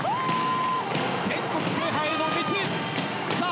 全国制覇への道さあ